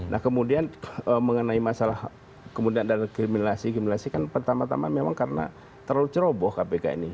nah kemudian mengenai masalah kemudian ada kriminalisasi kriminalisasi kan pertama tama memang karena terlalu ceroboh kpk ini